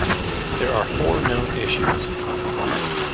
There are four known issues.